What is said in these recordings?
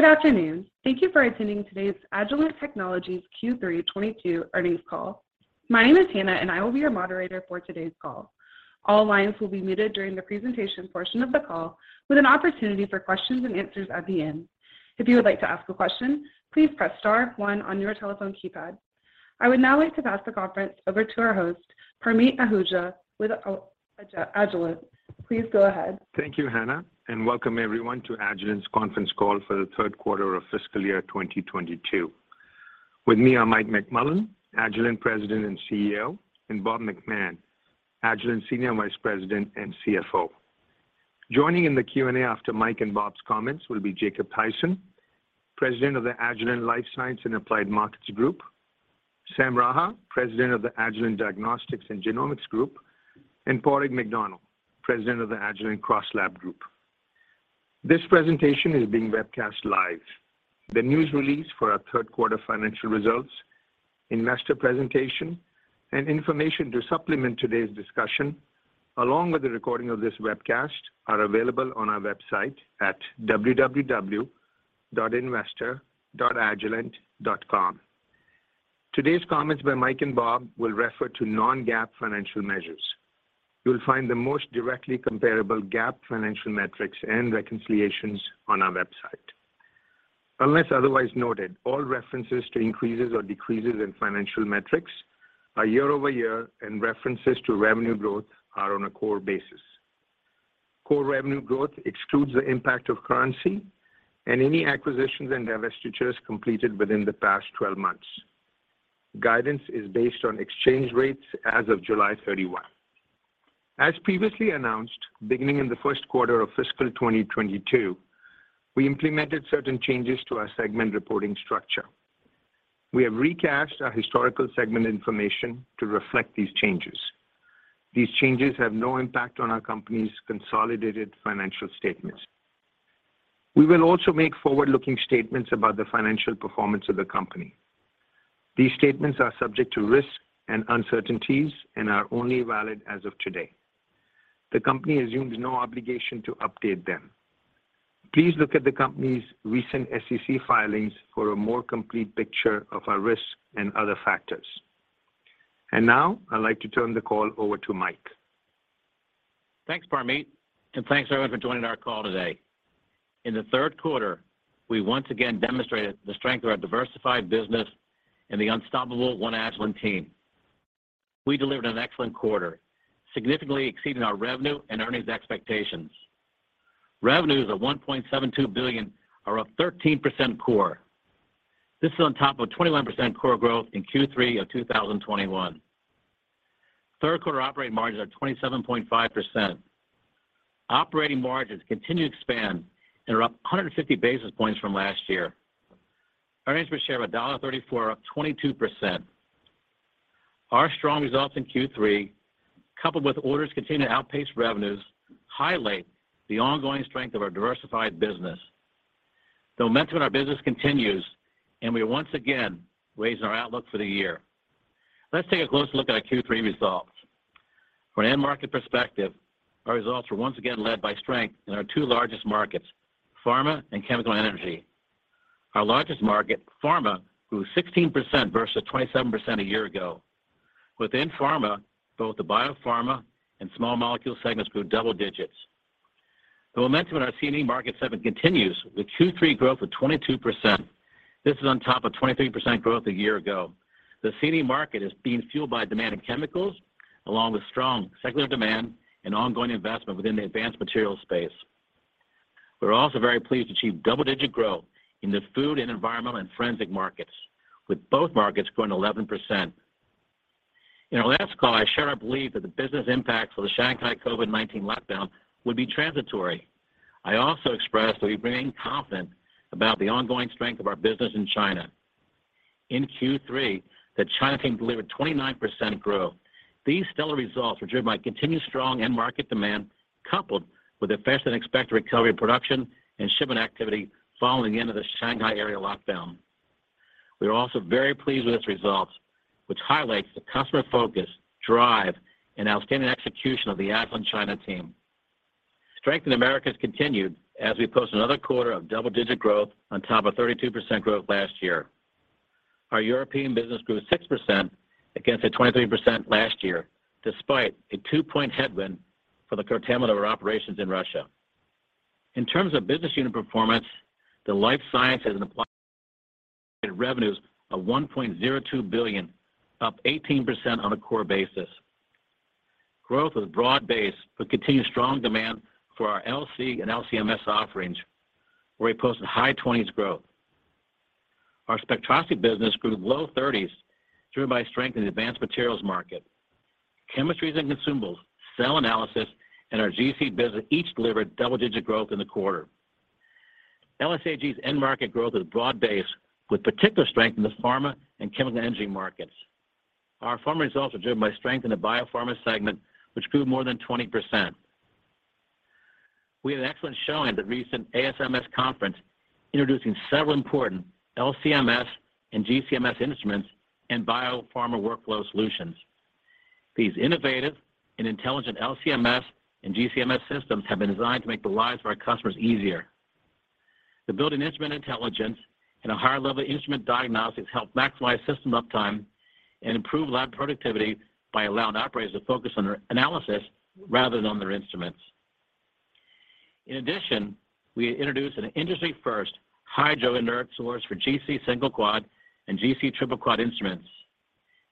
dGood afternoon. Thank you for attending today's Agilent Technologies Q3 2022 earnings call. My name is Hannah, and I will be your moderator for today's call. All lines will be muted during the presentation portion of the call, with an opportunity for questions and answers at the end. If you would like to ask a question, please press star 1 on your telephone keypad. I would now like to pass the conference over to our host, Parmeet Ahuja, with Agilent. Please go ahead. Thank you, Hannah, and welcome everyone to Agilent's conference call for the third quarter of fiscal year 2022. With me are Mike McMullen, Agilent's President and CEO, and Bob McMahon, Agilent's Senior Vice President and CFO. Joining in the Q&A after Mike and Bob's comments will be Jacob Thaysen, President of the Agilent Life Sciences and Applied Markets Group, Sam Raha, President of the Agilent Diagnostics and Genomics Group, and Padraig McDonnell, President of the Agilent CrossLab Group. This presentation is being webcast live. The news release for our third quarter financial results, investor presentation, and information to supplement today's discussion, along with the recording of this webcast, are available on our website at www.investor.agilent.com. Today's comments by Mike and Bob will refer to non-GAAP financial measures. You'll find the most directly comparable GAAP financial metrics and reconciliations on our website. Unless otherwise noted, all references to increases or decreases in financial metrics are year-over-year, and references to revenue growth are on a core basis. Core revenue growth excludes the impact of currency and any acquisitions and divestitures completed within the past 12 months. Guidance is based on exchange rates as of July 31. As previously announced, beginning in the first quarter of fiscal 2022, we implemented certain changes to our segment reporting structure. We have recast our historical segment information to reflect these changes. These changes have no impact on our company's consolidated financial statements. We will also make forward-looking statements about the financial performance of the company. These statements are subject to risk and uncertainties and are only valid as of today. The company assumes no obligation to update them. Please look at the company's recent SEC filings for a more complete picture of our risk and other factors. Now I'd like to turn the call over to Mike. Thanks, Parmeet, and thanks everyone for joining our call today. In the third quarter, we once again demonstrated the strength of our diversified business and the unstoppable One Agilent team. We delivered an excellent quarter, significantly exceeding our revenue and earnings expectations. Revenues of $1.72 billion are up 13% core. This is on top of 21% core growth in Q3 of 2021. Third quarter operating margins are 27.5%. Operating margins continue to expand and are up 150 basis points from last year. Earnings per share of $1.34 are up 22%. Our strong results in Q3, coupled with orders continuing to outpace revenues, highlight the ongoing strength of our diversified business. The momentum in our business continues, and we are once again raising our outlook for the year. Let's take a closer look at our Q3 results. From an end-market perspective, our results were once again led by strength in our 2 largest markets, pharma and chemical and energy. Our largest market, pharma, grew 16% versus 27% a year ago. Within pharma, both the biopharma and small molecule segments grew double digits. The momentum in our C&E market segment continues, with Q3 growth of 22%. This is on top of 23% growth a year ago. The C&E market is being fueled by demand in chemicals, along with strong secular demand and ongoing investment within the advanced materials space. We're also very pleased to achieve double-digit growth in the food, environmental, and forensic markets, with both markets growing 11%. In our last call, I shared our belief that the business impacts of the Shanghai COVID-19 lockdown would be transitory. I also expressed that we remain confident about the ongoing strength of our business in China. In Q3, the China team delivered 29% growth. These stellar results were driven by continued strong end-market demand, coupled with the faster-than-expected recovery of production and shipment activity following the end of the Shanghai area lockdown. We are also very pleased with its results, which highlights the customer focus, drive, and outstanding execution of the Agilent China team. Strength in America has continued as we post another quarter of double-digit growth on top of 32% growth last year. Our European business grew 6% against a 23% last year, despite a 2 point headwind for the curtailment of our operations in Russia. In terms of business unit performance, the life sciences and applied revenues of $1.02 billion, up 18% on a core basis. Growth was broad-based, but continued strong demand for our LC and LCMS offerings, where we posted high 20s% growth. Our spectroscopy business grew to low 30s, driven by strength in the advanced materials market. Chemistries and consumables, cell analysis, and our GC business each delivered double-digit growth in the quarter. LSAG's end-market growth was broad-based, with particular strength in the pharma and chemical and energy markets. Our pharma results were driven by strength in the biopharma segment, which grew more than 20%. We had an excellent showing at the recent ASMS conference, introducing several important LCMS and GCMS instruments and biopharma workflow solutions. These innovative and intelligent LCMS and GCMS systems have been designed to make the lives of our customers easier. The building instrument intelligence and a higher level of instrument diagnostics help maximize system uptime and improve lab productivity by allowing operators to focus on their analysis rather than on their instruments. In addition, we introduced an industry-first Hydroinert source for GC single-quad and GC triple-quad instruments,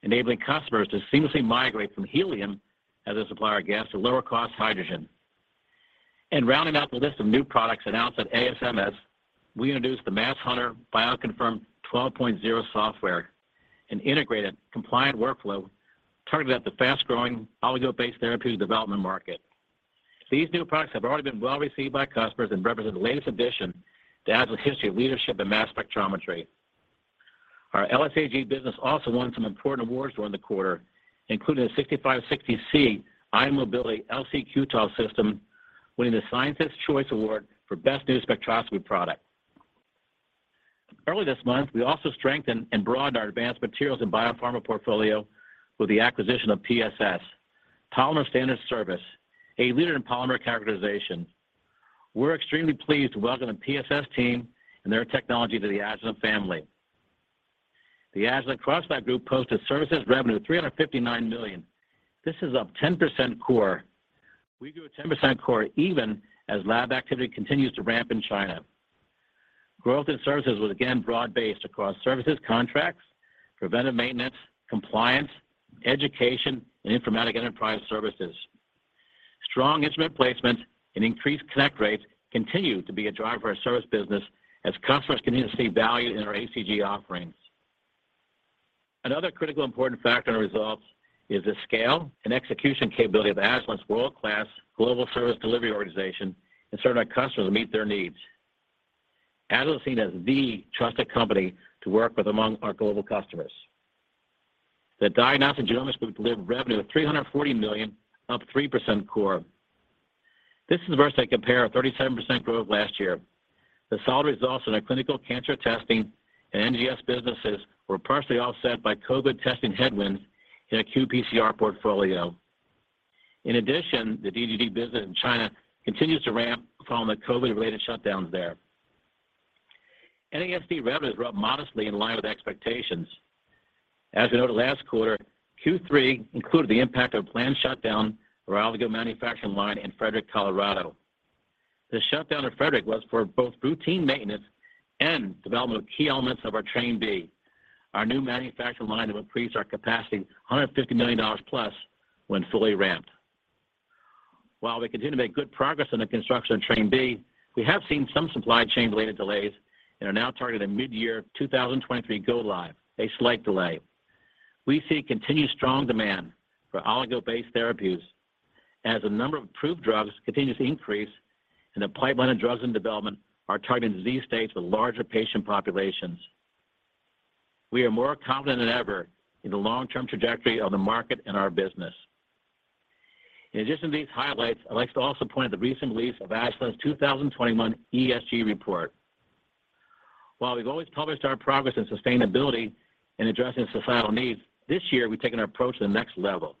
enabling customers to seamlessly migrate from helium as a supplier of gas to lower-cost hydrogen. Rounding out the list of new products announced at ASMS, we introduced the MassHunter BioConfirm 12.0 software, an integrated compliant workflow targeted at the fast-growing oligo-based therapeutic development market. These new products have already been well received by customers and represent the latest addition to Agilent's history of leadership in mass spectrometry. Our LSAG business also won some important awards during the quarter, including the 6560C Ion Mobility LC/Q-TOF system, winning the Scientists' Choice Award for Best New Spectroscopy Product. Early this month, we also strengthened and broadened our advanced materials and biopharma portfolio with the acquisition of PSS, Polymer Standards Service, a leader in polymer characterization. We're extremely pleased to welcome the PSS team and their technology to the Agilent family. The Agilent CrossLab Group posted services revenue of $359 million. This is up 10% core. We grew 10% core even as lab activity continues to ramp in China. Growth in services was again broad-based across services contracts, preventive maintenance, compliance, education, and informatics enterprise services. Strong instrument placements and increased connect rates continue to be a driver for our service business as customers continue to see value in our ACG offerings. Another critically important factor in our results is the scale and execution capability of Agilent's world-class global service delivery organization in serving our customers to meet their needs. Agilent is seen as the trusted company to work with among our global customers. The Diagnostics and Genomics Group delivered revenue of $340 million, up 3% core. This is the first comparable 37% growth last year. The solid results in our clinical cancer testing and NGS businesses were partially offset by COVID testing headwinds in our qPCR portfolio. In addition, the DGG business in China continues to ramp following the COVID-related shutdowns there. NASD revenues were up modestly in line with expectations. As we noted last quarter, Q3 included the impact of a planned shutdown of our oligo manufacturing line in Frederick, Colorado. The shutdown in Frederick was for both routine maintenance and development of key elements of our Train B, our new manufacturing line that would increase our capacity $150 million plus when fully ramped. While we continue to make good progress on the construction of Train B, we have seen some supply chain-related delays and are now targeting the mid-year 2023 go-live, a slight delay. We see continued strong demand for oligo-based therapeutics as the number of approved drugs continues to increase and the pipeline of drugs in development are targeting disease states with larger patient populations. We are more confident than ever in the long-term trajectory of the market and our business. In addition to these highlights, I'd like to also point out the recent release of Agilent's 2021 ESG report. While we've always published our progress in sustainability and addressing societal needs, this year we've taken our approach to the next level.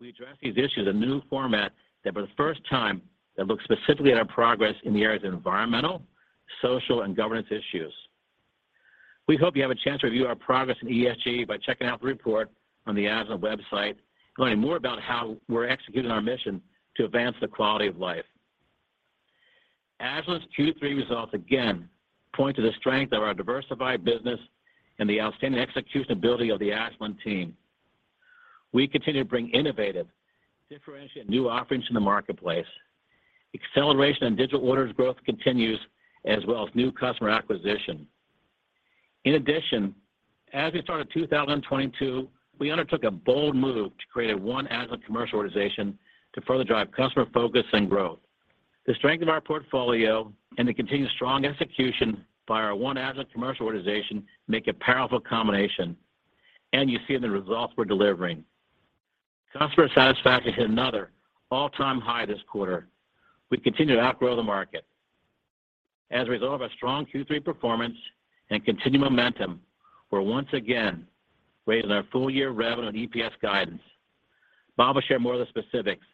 We address these issues in a new format that, for the first time, looks specifically at our progress in the areas of environmental, social, and governance issues. We hope you have a chance to review our progress in ESG by checking out the report on the Agilent website and learning more about how we're executing our mission to advance the quality of life. Agilent's Q3 results, again, point to the strength of our diversified business and the outstanding execution ability of the Agilent team. We continue to bring innovative, differentiated new offerings to the marketplace. Acceleration in digital orders growth continues, as well as new customer acquisition. In addition, as we started 2022, we undertook a bold move to create a One Agilent commercial organization to further drive customer focus and growth. The strength of our portfolio and the continued strong execution by our One Agilent commercial organization make a powerful combination, and you see it in the results we're delivering. Customer satisfaction hit another all-time high this quarter. We continue to outgrow the market. As a result of our strong Q3 performance and continued momentum, we're once again raising our full-year revenue on EPS guidance. Bob will share more of the specifics.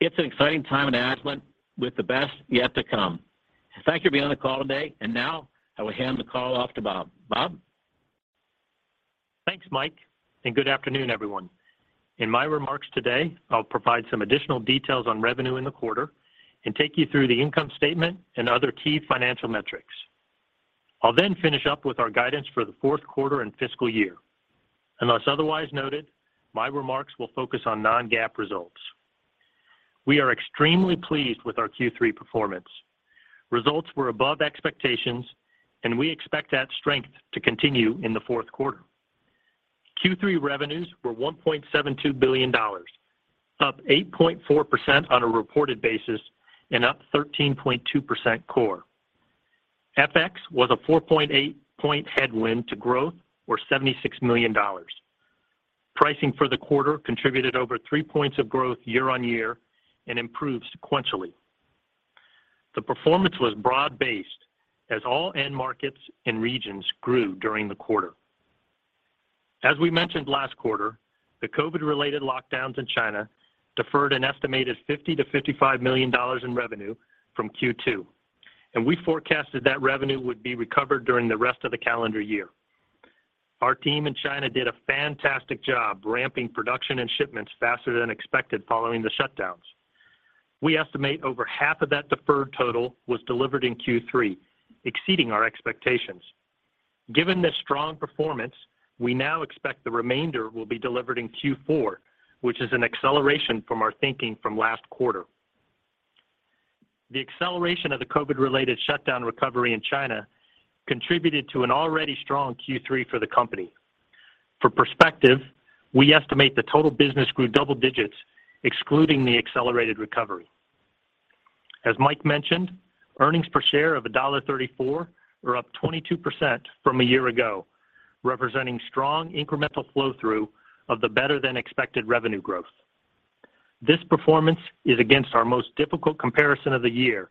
It's an exciting time in Agilent with the best yet to come. Thank you for being on the call today. Now I will hand the call off to Bob. Bob? Thanks, Mike, and good afternoon, everyone. In my remarks today, I'll provide some additional details on revenue in the quarter and take you through the income statement and other key financial metrics. I'll then finish up with our guidance for the fourth quarter and fiscal year. Unless otherwise noted, my remarks will focus on non-GAAP results. We are extremely pleased with our Q3 performance. Results were above expectations, and we expect that strength to continue in the fourth quarter. Q3 revenues were $1.72 billion, up 8.4% on a reported basis and up 13.2% core. FX was a 4.8-point headwind to growth, or $76 million. Pricing for the quarter contributed over 3 points of growth year-over-year and improved sequentially. The performance was broad-based as all end markets and regions grew during the quarter. As we mentioned last quarter, the COVID-related lockdowns in China deferred an estimated $50-$55 million in revenue from Q2, and we forecasted that revenue would be recovered during the rest of the calendar year. Our team in China did a fantastic job ramping production and shipments faster than expected following the shutdowns. We estimate over half of that deferred total was delivered in Q3, exceeding our expectations. Given this strong performance, we now expect the remainder will be delivered in Q4, which is an acceleration from our thinking from last quarter. The acceleration of the COVID-related shutdown recovery in China contributed to an already strong Q3 for the company. For perspective, we estimate the total business grew double digits, excluding the accelerated recovery. As Mike mentioned, earnings per share of $1.34 are up 22% from a year ago, representing strong incremental flow-through of the better-than-expected revenue growth. This performance is against our most difficult comparison of the year,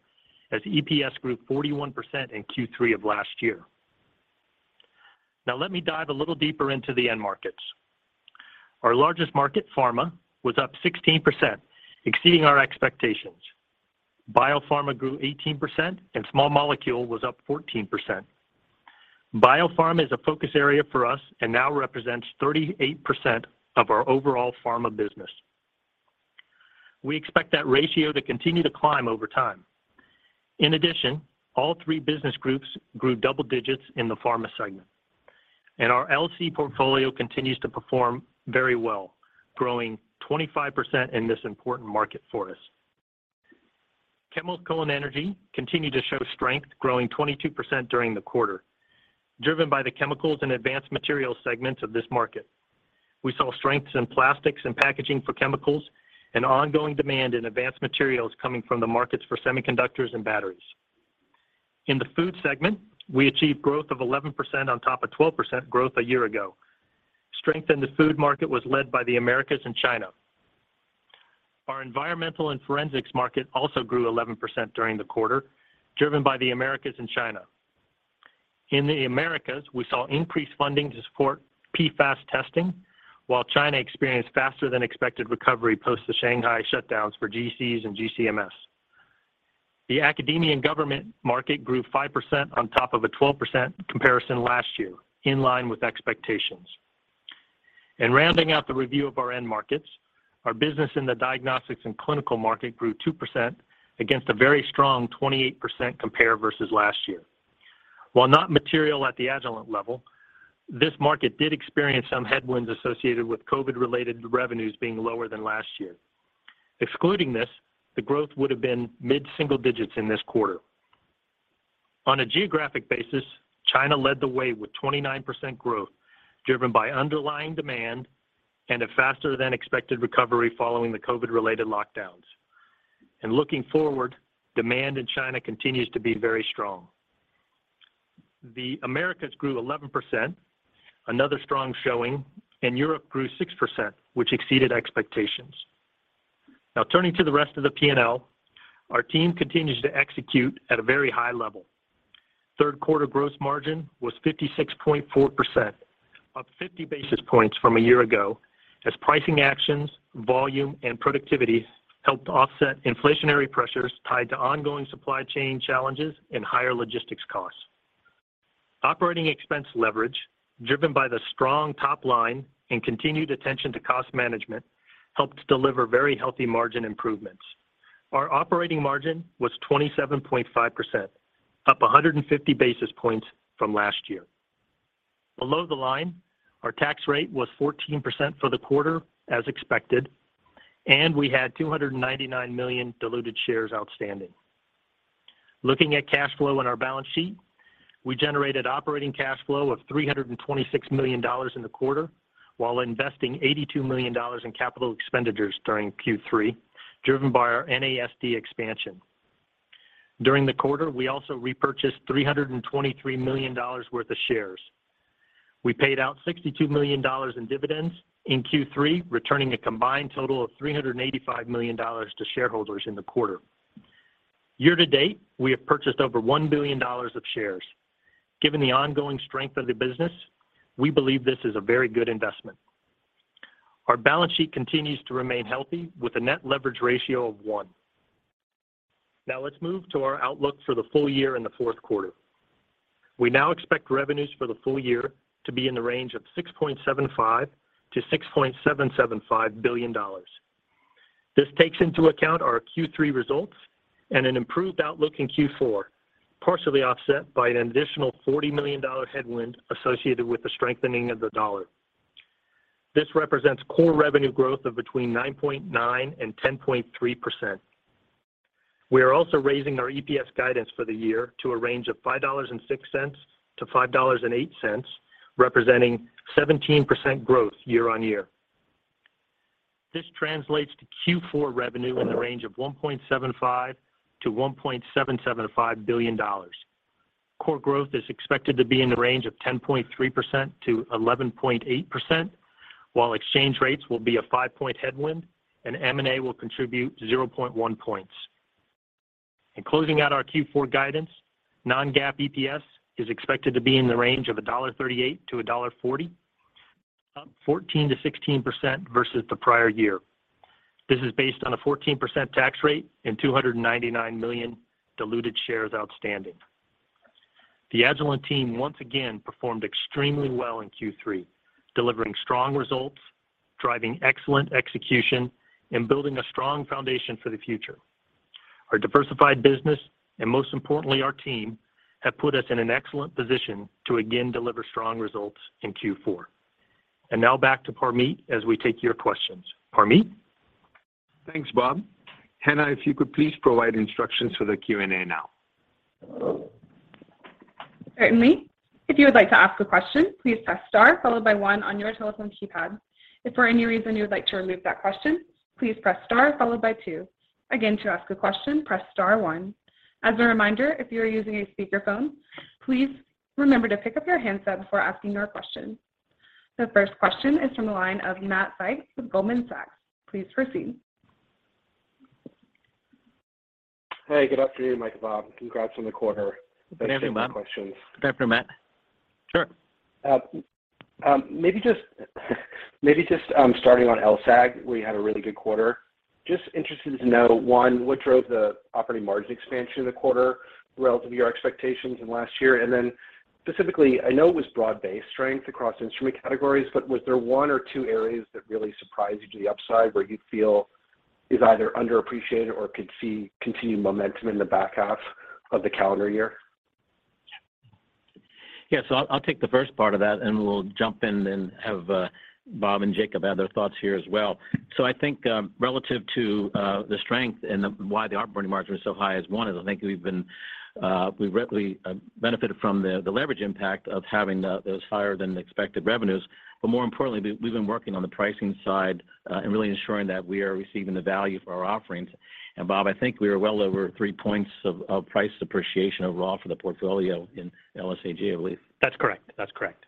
as EPS grew 41% in Q3 of last year. Now, let me dive a little deeper into the end markets. Our largest market, pharma, was up 16%, exceeding our expectations. Biopharma grew 18%, and small molecule was up 14%. Biopharma is a focus area for us and now represents 38% of our overall pharma business. We expect that ratio to continue to climb over time. In addition, all 3 business groups grew double digits in the pharma segment, and our LC portfolio continues to perform very well, growing 25% in this important market for us. Chemicals and energy continue to show strength, growing 22% during the quarter, driven by the chemicals and advanced materials segments of this market. We saw strengths in plastics and packaging for chemicals and ongoing demand in advanced materials coming from the markets for semiconductors and batteries. In the food segment, we achieved growth of 11% on top of 12% growth a year ago. Strength in the food market was led by the Americas and China. Our environmental and forensics market also grew 11% during the quarter, driven by the Americas and China. In the Americas, we saw increased funding to support PFAS testing, while China experienced faster-than-expected recovery post the Shanghai shutdowns for GCs and GCMS. The academia and government market grew 5% on top of a 12% comparison last year, in line with expectations. Rounding out the review of our end markets, our business in the diagnostics and clinical market grew 2% against a very strong 28% compare versus last year. While not material at the Agilent level, this market did experience some headwinds associated with COVID-related revenues being lower than last year. Excluding this, the growth would have been mid-single digits in this quarter. On a geographic basis, China led the way with 29% growth, driven by underlying demand and a faster-than-expected recovery following the COVID-related lockdowns. Looking forward, demand in China continues to be very strong. The Americas grew 11%, another strong showing, and Europe grew 6%, which exceeded expectations. Now, turning to the rest of the P&L, our team continues to execute at a very high level. Third-quarter gross margin was 56.4%, up 50 basis points from a year ago, as pricing actions, volume, and productivity helped offset inflationary pressures tied to ongoing supply chain challenges and higher logistics costs. Operating expense leverage, driven by the strong top line and continued attention to cost management, helped deliver very healthy margin improvements. Our operating margin was 27.5%, up 150 basis points from last year. Below the line, our tax rate was 14% for the quarter, as expected, and we had 299 million diluted shares outstanding. Looking at cash flow in our balance sheet, we generated operating cash flow of $326 million in the quarter while investing $82 million in capital expenditures during Q3, driven by our NASD expansion. During the quarter, we also repurchased $323 million worth of shares. We paid out $62 million in dividends in Q3, returning a combined total of $385 million to shareholders in the quarter. Year to date, we have purchased over $1 billion of shares. Given the ongoing strength of the business, we believe this is a very good investment. Our balance sheet continues to remain healthy, with a net leverage ratio of 1. Now, let's move to our outlook for the full year and the fourth quarter. We now expect revenues for the full year to be in the range of $6.75-$6.775 billion. This takes into account our Q3 results and an improved outlook in Q4, partially offset by an additional $40 million headwind associated with the strengthening of the dollar. This represents core revenue growth of between 9.9%-10.3%. We are also raising our EPS guidance for the year to a range of $5.06-$5.08, representing 17% growth year-on-year. This translates to Q4 revenue in the range of $1.75-$1.775 billion. Core growth is expected to be in the range of 10.3%-11.8%, while exchange rates will be a 5-point headwind and M&A will contribute 0.1 points. Closing out our Q4 guidance, non-GAAP EPS is expected to be in the range of $1.38-$1.40, up 14%-16% versus the prior year. This is based on a 14% tax rate and 299 million diluted shares outstanding. The Agilent team once again performed extremely well in Q3, delivering strong results, driving excellent execution, and building a strong foundation for the future. Our diversified business and, most importantly, our team have put us in an excellent position to again deliver strong results in Q4. Now back to Parmeet as we take your questions. Parmeet? Thanks, Bob. Hannah, if you could please provide instructions for the Q&A now. All right. Lee, if you would like to ask a question, please press star followed by 1 on your telephone keypad. If for any reason you would like to remove that question, please press star followed by 2. Again, to ask a question, press star 1. As a reminder, if you are using a speakerphone, please remember to pick up your handset before asking your question. The first question is from the line of Matthew Sykes with Goldman Sachs. Please proceed. Hey, good afternoon, Mike and Bob. Congrats on the quarter. Thanks for the questions. Good afternoon, Matt. Sure. Maybe just starting on LSAG, we had a really good quarter. Just interested to know, 1, what drove the operating margin expansion in the quarter relative to your expectations in last year? Specifically, I know it was broad-based strength across instrument categories, but was there 1 or 2 areas that really surprised you to the upside where you feel is either underappreciated or could see continued momentum in the back half of the calendar year? Yeah. I'll take the first part of that, and we'll jump in and have Bob and Jacob add their thoughts here as well. I think relative to the strength and why the operating margin was so high, is one, I think we've benefited from the leverage impact of having those higher-than-expected revenues. More importantly, we've been working on the pricing side and really ensuring that we are receiving the value for our offerings. Bob, I think we were well over 3 points of price appreciation overall for the portfolio in LSAG, I believe. That's correct. That's correct.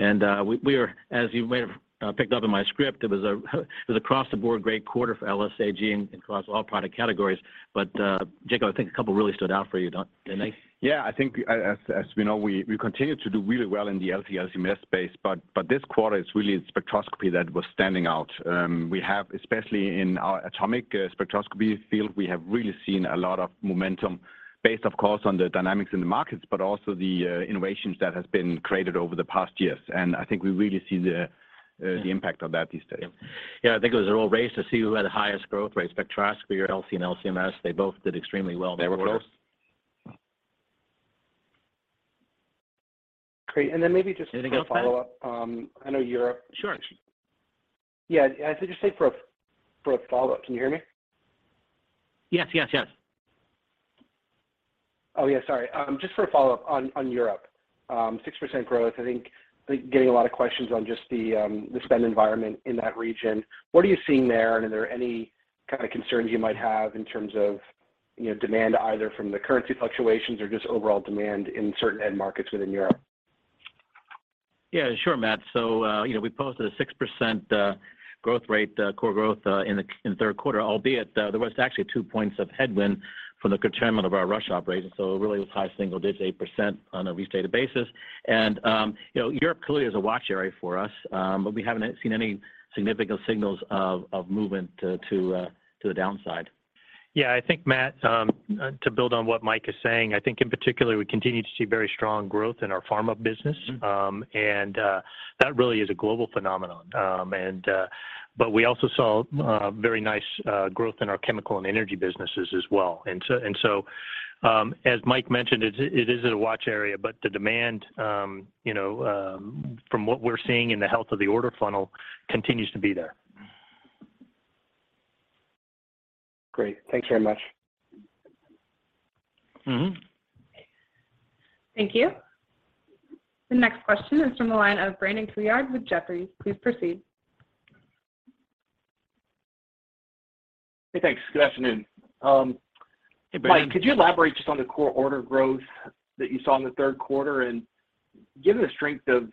We are, as you may have picked up in my script, it was a across-the-board great quarter for LSAG and across all product categories. Jacob, I think a couple really stood out for you, didn't they? Yeah. I think, as we know, we continue to do really well in the LC/LC/MS space, but this quarter is really spectroscopy that was standing out. Especially in our atomic spectroscopy field, we have really seen a lot of momentum based, of course, on the dynamics in the markets, but also the innovations that have been created over the past years. I think we really see the impact of that these days. Yeah. I think it was a real race to see who had the highest growth rate. Spectroscopy, your LC and LCMS, they both did extremely well in the quarter. They were close. Great. Maybe just a follow-up. I know Europe. Sure. Yeah. I thought just say for a follow-up, can you hear me? Yes. Yes. Yes. Oh, yeah. Sorry. Just for a follow-up on Europe, 6% growth. I think getting a lot of questions on just the spend environment in that region. What are you seeing there, and are there any kind of concerns you might have in terms of demand either from the currency fluctuations or just overall demand in certain end markets within Europe? Yeah. Sure, Matt. We posted a 6% growth rate, core growth, in the third quarter, albeit there was actually 2 points of headwind from the containment of our rush operation. It really was high single digit, 8% on a restated basis. Europe clearly is a watch area for us, but we haven't seen any significant signals of movement to the downside. Yeah. I think, Matt, to build on what Mike is saying, I think in particular, we continue to see very strong growth in our pharma business, and that really is a global phenomenon. We also saw very nice growth in our chemical and energy businesses as well. As Mike mentioned, it is a watch area, but the demand from what we're seeing in the health of the order funnel continues to be there. Great. Thanks very much. Thank you. The next question is from the line of Brandon Couillard with Jefferies. Please proceed. Hey, thanks. Good afternoon. Hey, Brandon. Mike, could you elaborate just on the core order growth that you saw in the third quarter? Given the strength of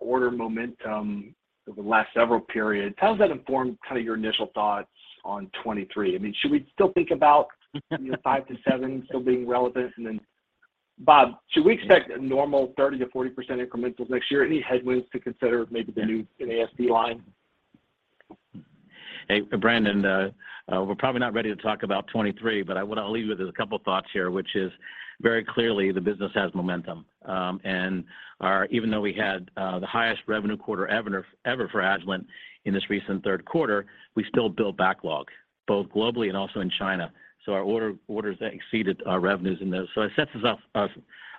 order momentum over the last several periods, how has that informed kind of your initial thoughts on 2023? I mean, should we still think about 5%-7% still being relevant? Then, Bob, should we expect normal 30%-40% incrementals next year? Any headwinds to consider, maybe the new NASD line? Hey, Brandon, we're probably not ready to talk about 2023, but I want to leave you with a couple of thoughts here, which is very clearly, the business has momentum. Even though we had the highest revenue quarter ever for Agilent in this recent third quarter, we still built backlog, both globally and also in China. Our orders exceeded our revenues in those. It sets us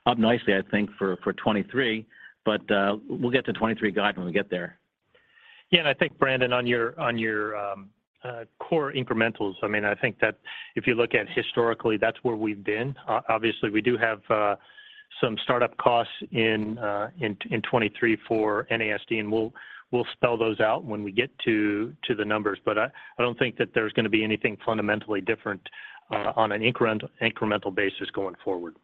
up nicely, I think, for 2023, but we'll get to 2023 guidance when we get there. Yeah. I think, Brandon, on your core incrementals, I mean, I think that if you look at historically, that's where we've been. Obviously, we do have some startup costs in 2023 for NASD, and we'll spell those out when we get to the numbers. I don't think that there's going to be anything fundamentally different on an incremental basis going forward.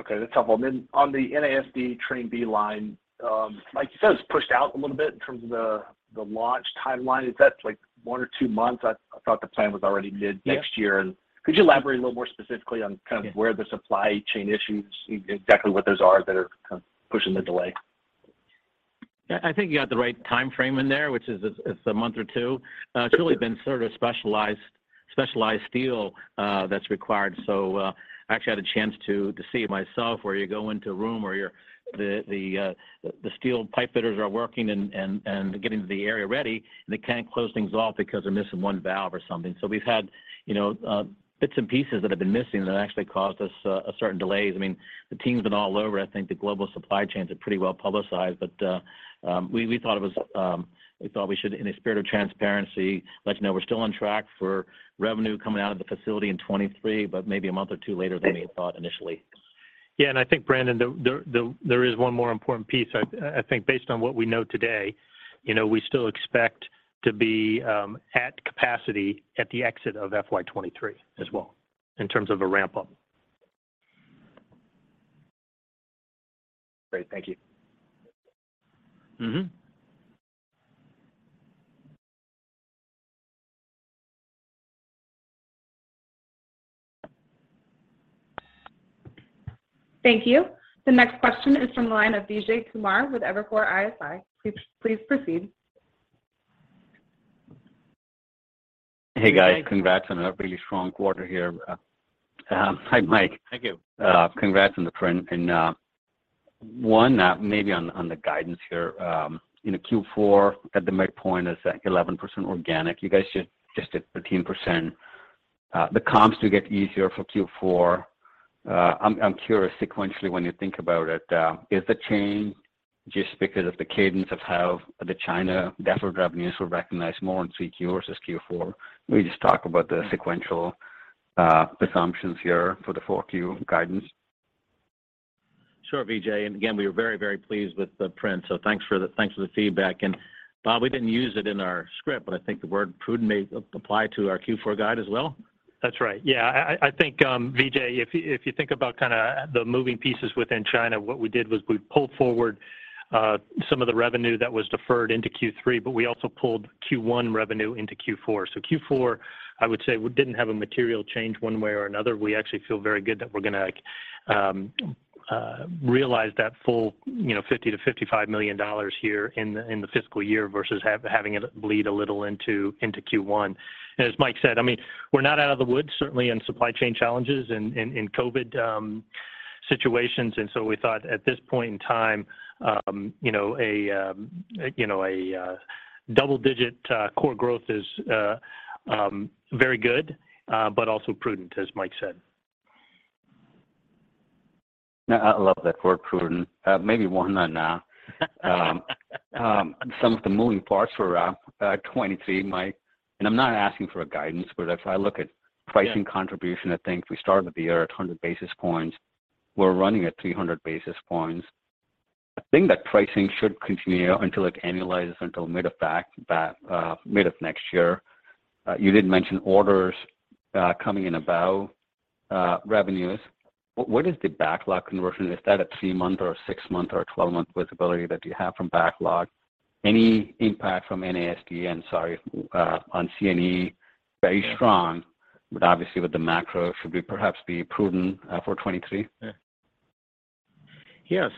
Okay. That's helpful. Then on the NASD Train B line, like you said, it's pushed out a little bit in terms of the launch timeline. Is that 1 or 2 months? I thought the plan was already mid-next year. Could you elaborate a little more specifically on kind of where the supply chain issues, exactly what those are that are kind of pushing the delay? Yeah. I think you got the right time frame in there, which is a month or 2 It's really been sort of specialized steel that's required. I actually had a chance to see it myself where you go into a room where the steel pipe fitters are working and getting the area ready, and they can't close things off because they're missing 1 valve or something. We've had bits and pieces that have been missing that have actually caused us certain delays. I mean, the team's been all over. I think the global supply chains are pretty well publicized, but we thought we should, in the spirit of transparency, let you know we're still on track for revenue coming out of the facility in 2023, but maybe a month or 2 later than we had thought initially. Yeah. I think, Brandon, there is one more important piece. I think based on what we know today, we still expect to be at capacity at the exit of FY 2023 as well in terms of a ramp-up. Great. Thank you. Thank you. The next question is from the line of Vijay Kumar with Evercore ISI. Please proceed. Hey, guys. Congrats on a really strong quarter here. Hi, Mike. Thank you. Congrats on the print. 1, maybe on the guidance here, in Q4, at the midpoint is that 11% organic. You guys just did 13%. The comps do get easier for Q4. I'm curious, sequentially, when you think about it, is the change just because of the cadence of how the China deferred revenues were recognized more in 3 Qs than Q4? Maybe just talk about the sequential assumptions here for the 4Q guidance. Sure, Vijay. Again, we are very, very pleased with the print. Thanks for the feedback. Bob, we didn't use it in our script, but I think the word prudent may apply to our Q4 guide as well. That's right. Yeah. I think, Vijay, if you think about kind of the moving pieces within China, what we did was we pulled forward some of the revenue that was deferred into Q3, but we also pulled Q1 revenue into Q4. Q4, I would say, didn't have a material change one way or another. We actually feel very good that we're going to realize that full $50 million-$55 million here in the fiscal year versus having it bleed a little into Q1. As Mike said, I mean, we're not out of the woods, certainly, in supply chain challenges and in COVID situations. We thought at this point in time, a double-digit core growth is very good but also prudent, as Mike said. I love that word prudent. Maybe one on that. Some of the moving parts for 2023, Mike, and I'm not asking for a guidance, but if I look at pricing contribution, I think we started the year at 100 basis points. We're running at 300 basis points. I think that pricing should continue until it annualizes mid of next year. You did mention orders coming in about revenues. What is the backlog conversion? Is that a 3-month or a 6-month or a 12-month visibility that you have from backlog? Any impact from NASD, and sorry, on C&E? Very strong, but obviously, with the macro, should we perhaps be prudent for 2023? Yeah.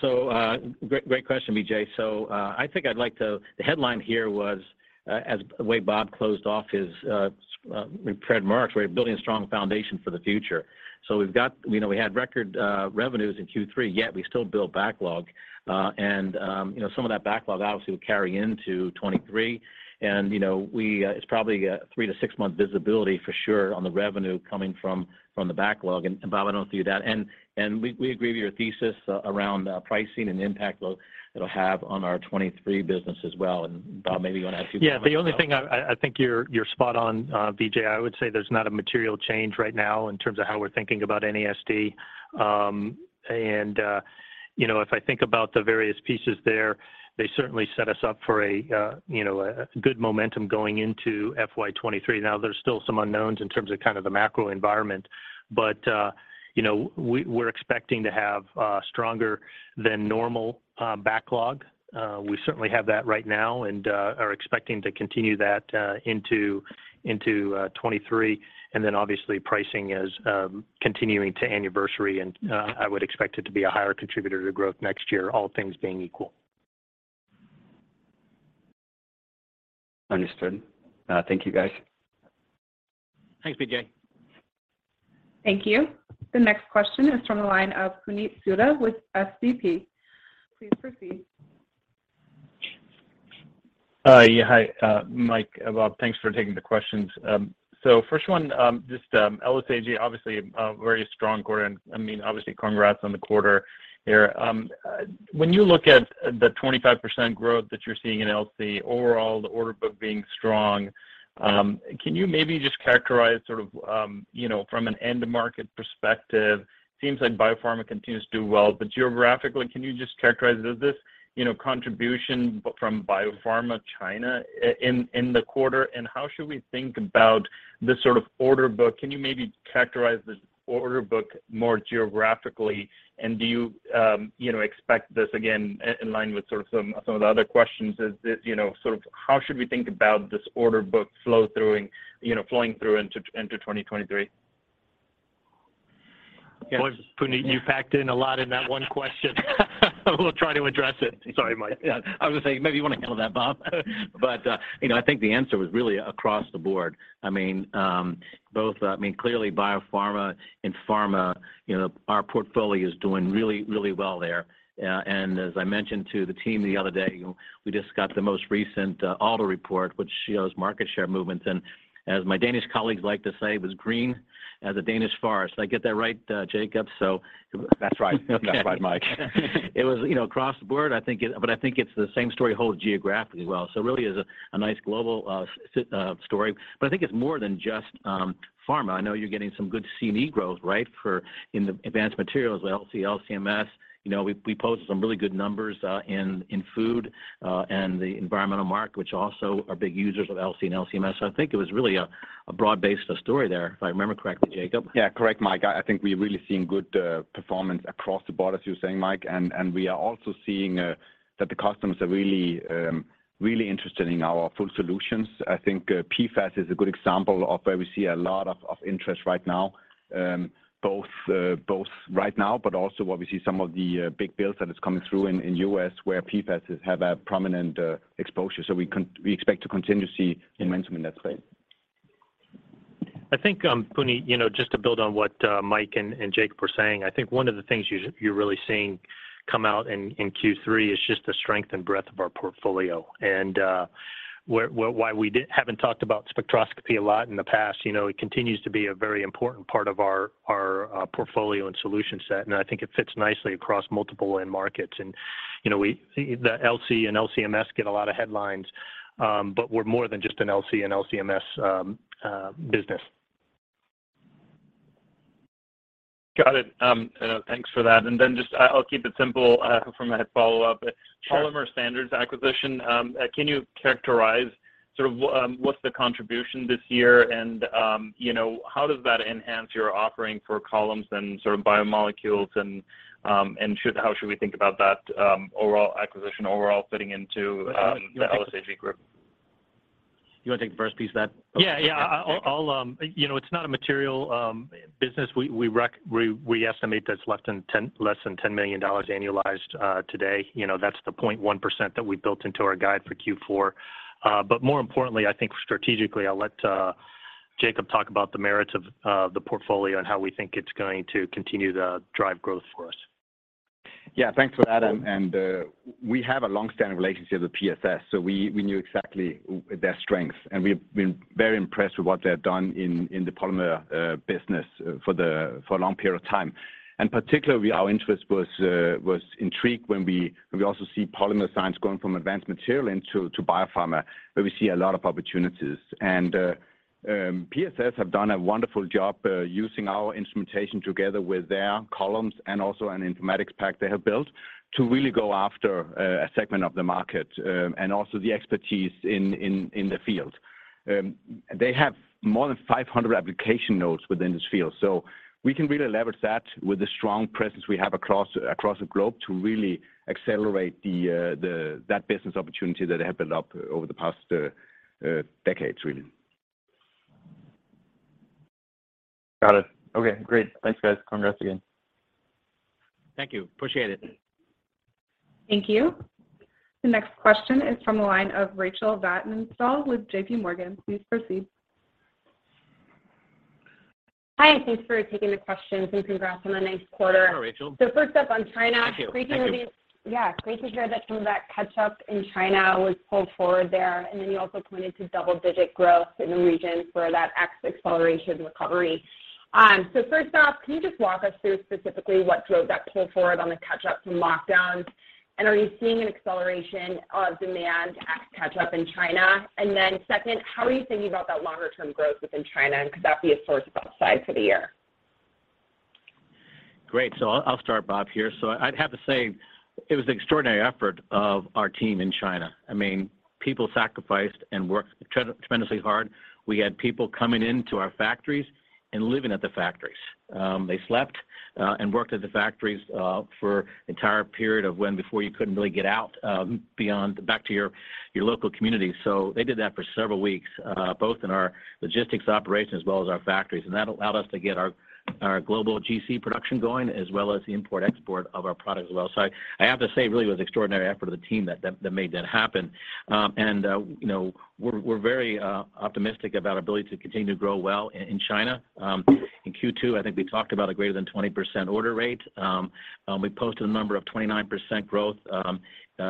Great question, Vijay. I think I'd like to the headline here was, as the way Bob closed off his prepared remarks, we're building a strong foundation for the future. We had record revenues in Q3, yet we still build backlog. Some of that backlog, obviously, will carry into 2023. It's probably a 3- to 6-month visibility for sure on the revenue coming from the backlog. Bob, I don't know if you do that. We agree with your thesis around pricing and the impact it'll have on our 2023 business as well. Bob, maybe you want to add a few comments? Yeah. The only thing I think you're spot on, Vijay. I would say there's not a material change right now in terms of how we're thinking about NASD. If I think about the various pieces there, they certainly set us up for a good momentum going into FY 2023. Now, there's still some unknowns in terms of kind of the macro environment, but we're expecting to have stronger-than-normal backlog. We certainly have that right now and are expecting to continue that into 2023. Then obviously, pricing is continuing to anniversary, and I would expect it to be a higher contributor to growth next year, all things being equal. Understood. Thank you, guys. Thanks, Vijay. Thank you. The next question is from the line of Puneet Souda with SVB Leerink. Please proceed. Hi, Mike. Bob, thanks for taking the questions. First one, just LSAG, obviously, a very strong quarter. I mean, obviously, congrats on the quarter here. When you look at the 25% growth that you're seeing in LC, overall, the order book being strong, can you maybe just characterize sort of from an end-to-market perspective? It seems like biopharma continues to do well, but geographically, can you just characterize this contribution from biopharma, China, in the quarter? How should we think about this sort of order book? Can you maybe characterize this order book more geographically? Do you expect this, again, in line with sort of some of the other questions, is sort of how should we think about this order book flowing through into 2023? Boy, Puneet, you packed in a lot in that 1 question. We'll try to address it. Sorry, Mike. I was going to say maybe you want to handle that, Bob. I think the answer was really across the board. I mean, both clearly, biopharma and pharma, our portfolio is doing really, really well there. As I mentioned to the team the other day, we just got the most recent Aalto report, which shows market share movements. As my Danish colleagues like to say, it was green as a Danish forest. Did I get that right, Jacob? That's right, Mike. It was across the board, but I think it's the same story holds geographically as well. It really is a nice global story. I think it's more than just pharma. I know you're getting some good C&E growth, right, in the advanced materials with LC, LCMS. We posted some really good numbers in food and the environmental market, which also are big users of LC and LCMS. I think it was really a broad-based story there, if I remember correctly, Jacob. Yeah. Correct, Mike. I think we are really seeing good performance across the board, as you were saying, Mike. And we are also seeing that the customers are really, really interested in our full solutions. I think PFAS is a good example of where we see a lot of interest right now, both right now but also where we see some of the big bills that are coming through in the U.S. where PFAS have a prominent exposure. We expect to continue to see momentum in that space. I think, Puneet, just to build on what Mike and Jacob were saying, I think one of the things you're really seeing come out in Q3 is just the strength and breadth of our portfolio and why we haven't talked about spectroscopy a lot in the past. It continues to be a very important part of our portfolio and solution set, and I think it fits nicely across multiple end markets. The LC and LCMS get a lot of headlines, but we're more than just an LC and LCMS business. Got it. Thanks for that. Just I'll keep it simple from a follow-up. Polymer Standards acquisition, can you characterize sort of what's the contribution this year, and how does that enhance your offering for columns and sort of biomolecules? How should we think about that overall acquisition, overall fitting into the LSAG group? You want to take the first piece of that? Yeah. It's not a material business. We estimate that it's less than $10 million annualized today. That's the 0.1% that we built into our guide for Q4. More importantly, I think strategically, I'll let Jacob talk about the merits of the portfolio and how we think it's going to continue to drive growth for us. Yeah. Thanks for that. We have a long-standing relationship with PSS, so we knew exactly their strengths. We've been very impressed with what they've done in the polymer business for a long period of time. Particularly, our interest was intrigued when we also see polymer science going from advanced material into biopharma, where we see a lot of opportunities. PSS have done a wonderful job using our instrumentation together with their columns and also an informatics pack they have built to really go after a segment of the market and also the expertise in the field. They have more than 500 application notes within this field. We can really leverage that with the strong presence we have across the globe to really accelerate that business opportunity that they have built up over the past decades, really. Got it. Okay. Great. Thanks, guys. Congrats again. Thank you. Appreciate it. Thank you. The next question is from the line of Rachel Vatnsdal with JPMorgan. Please proceed. Hi. Thanks for taking the questions, and congrats on a nice quarter. Hi, Rachel. First up, on China, great to hear that some of that catch-up in China was pulled forward there. Then you also pointed to double-digit growth in the region for that extra acceleration recovery. First off, can you just walk us through specifically what drove that pull forward on the catch-up from lockdowns? Are you seeing an acceleration of demand extra catch-up in China? Then second, how are you thinking about that longer-term growth within China? Could that be a source of upside for the year? Great. I'll start, Bob, here. I'd have to say it was an extraordinary effort of our team in China. I mean, people sacrificed and worked tremendously hard. We had people coming into our factories and living at the factories. They slept and worked at the factories for an entire period of when, before, you couldn't really get out back to your local community. They did that for several weeks, both in our logistics operations as well as our factories. That allowed us to get our global GC production going as well as the import-export of our products as well. I have to say, really, it was an extraordinary effort of the team that made that happen. We're very optimistic about our ability to continue to grow well in China. In Q2, I think we talked about a greater than 20% order rate. We posted a number of 29% growth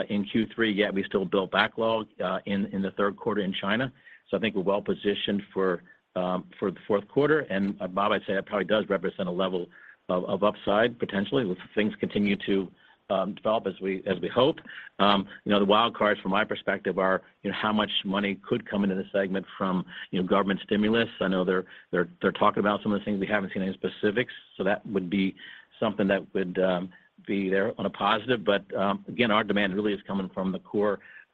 in Q3, yet we still built backlog in the third quarter in China. I think we're well-positioned for the fourth quarter. Bob, I'd say that probably does represent a level of upside, potentially, if things continue to develop as we hope. The wildcards, from my perspective, are how much money could come into this segment from government stimulus. I know they're talking about some of the things. We haven't seen any specifics. That would be something that would be there on a positive. Again, our demand really is coming from the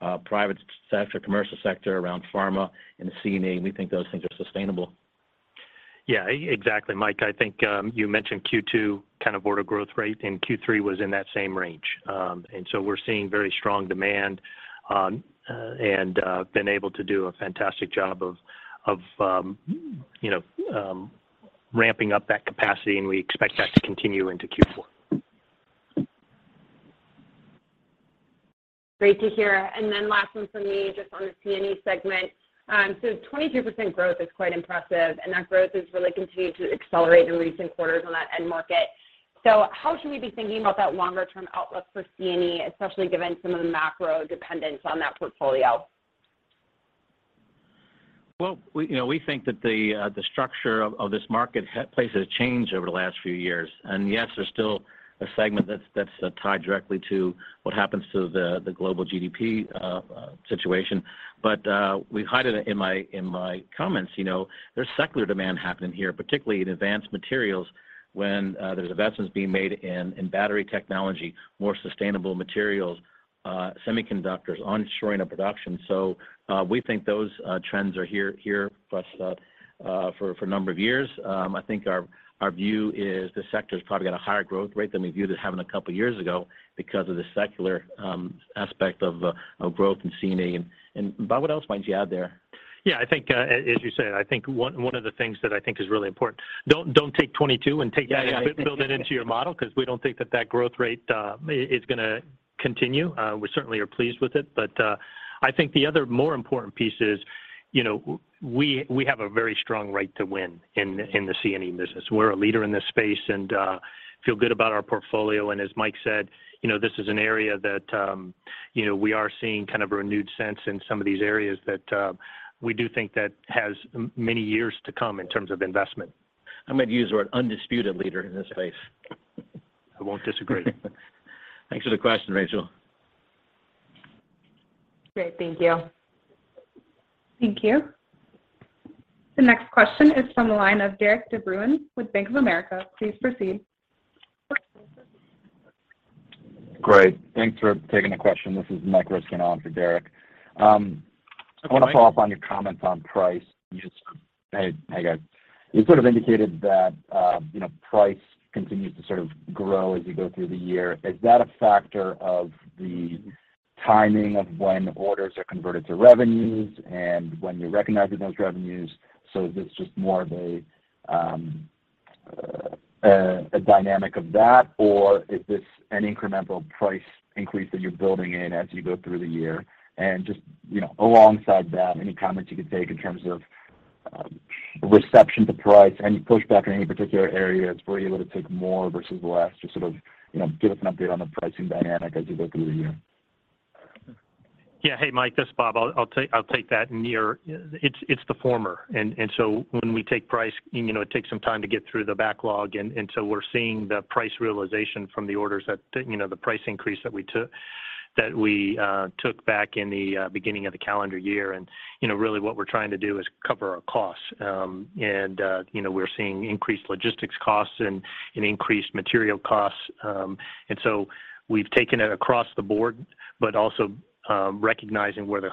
core private sector, commercial sector around pharma and C&E. We think those things are sustainable. Yeah. Exactly, Mike. I think you mentioned Q2 kind of order growth rate, and Q3 was in that same range. We're seeing very strong demand and been able to do a fantastic job of ramping up that capacity. We expect that to continue into Q4. Great to hear. Last one from me just on the C&E segment. 22% growth is quite impressive, and that growth has really continued to accelerate in recent quarters on that end market. How should we be thinking about that longer-term outlook for C&E, especially given some of the macro dependence on that portfolio? Well, we think that the structure of this market reflects a change over the last few years. Yes, there's still a segment that's tied directly to what happens to the global GDP situation. We highlighted it in my comments. There's secular demand happening here, particularly in advanced materials when there's investments being made in battery technology, more sustainable materials, semiconductors, onshoring of production. We think those trends are here for us for a number of years. I think our view is the sector's probably got a higher growth rate than we viewed it having a couple of years ago because of the secular aspect of growth and C&E. Bob, what else might you add there? Yeah. As you said, I think one of the things that I think is really important. Don't take 2022 and take that and build it into your model because we don't think that growth rate is going to continue. We certainly are pleased with it. But I think the other more important piece is we have a very strong right to win in the C&E business. We're a leader in this space and feel good about our portfolio. As Mike said, this is an area that we are seeing kind of a renewed sense in some of these areas that we do think that has many years to come in terms of investment. I'm going to use the word undisputed leader in this space. I won't disagree. Thanks for the question, Rachel. Great. Thank you. Thank you. The next question is from the line of Derik de Bruin with Bank of America. Please proceed. Great. Thanks for taking the question. This is Michael Ryskin on for Derik de Bruin. I want to follow up on your comments on price. Hey, guys. You sort of indicated that price continues to sort of grow as you go through the year. Is that a factor of the timing of when orders are converted to revenues and when you're recognizing those revenues? Is this just more of a dynamic of that, or is this an incremental price increase that you're building in as you go through the year? Just alongside that, any comments you could take in terms of reception to price, any pushback in any particular areas where you were able to take more versus less? Just sort of give us an update on the pricing dynamic as you go through the year. Yeah. Hey, Mike. This is Bob. I'll take that one. It's the former. When we take price, it takes some time to get through the backlog. We're seeing the price realization from the orders, the price increase that we took back in the beginning of the calendar year. Really, what we're trying to do is cover our costs. We're seeing increased logistics costs and increased material costs. We've taken it across the board, but also recognizing where the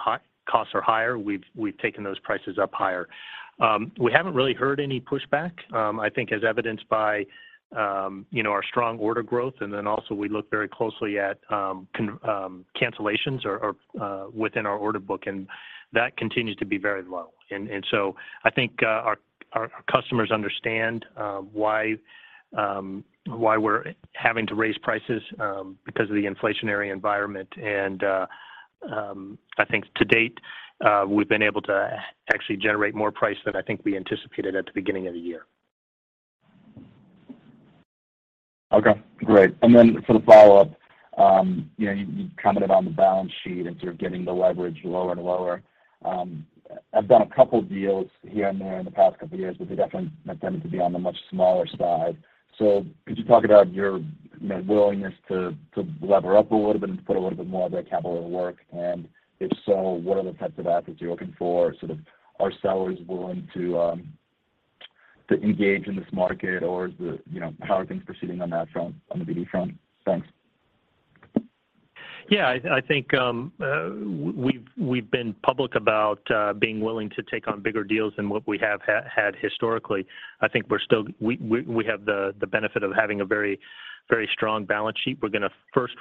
costs are higher, we've taken those prices up higher. We haven't really heard any pushback, I think, as evidenced by our strong order growth. We look very closely at cancellations within our order book, and that continues to be very low. I think our customers understand why we're having to raise prices because of the inflationary environment. I think to date, we've been able to actually generate more price than I think we anticipated at the beginning of the year. Okay. Great. For the follow-up, you commented on the balance sheet and sort of getting the leverage lower and lower. I've done a couple of deals here and there in the past couple of years, but they definitely tended to be on the much smaller side. Could you talk about your willingness to lever up a little bit and put a little bit more of that capital at work? If so, what are the types of assets you're looking for? Sort of, are sellers willing to engage in this market, or how are things proceeding on that front, on the BD front? Thanks. Yeah. I think we've been public about being willing to take on bigger deals than what we have had historically. I think we have the benefit of having a very strong balance sheet. We're going to first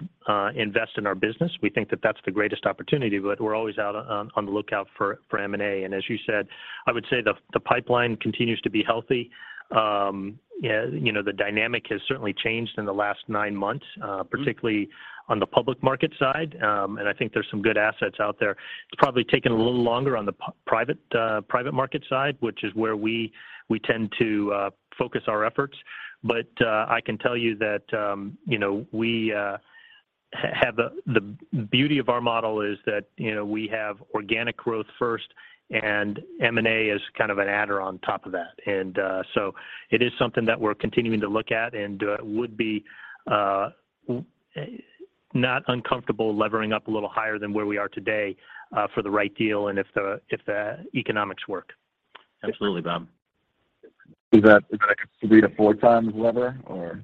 invest in our business. We think that that's the greatest opportunity, but we're always out on the lookout for M&A. As you said, I would say the pipeline continues to be healthy. The dynamic has certainly changed in the last 9 months, particularly on the public market side. I think there's some good assets out there. It's probably taken a little longer on the private market side, which is where we tend to focus our efforts. I can tell you that we have the beauty of our model is that we have organic growth first, and M&A is kind of an adder on top of that. It is something that we're continuing to look at, and it would be not uncomfortable levering up a little higher than where we are today for the right deal and if the economics work. Absolutely, Bob. Is that a 3-4 times leverage, or?